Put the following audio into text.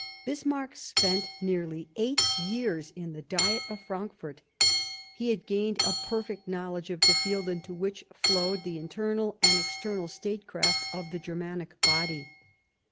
Bismarck spent nearly eight years in the Diet of Frankfort. He had gained a perfect knowledge of the field into which flowed the internal and external statecraft of the Germanic Body.